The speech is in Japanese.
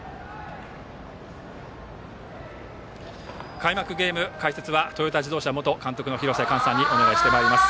開幕ゲーム解説はトヨタ自動車元監督の廣瀬寛さんにお願いしてまいります。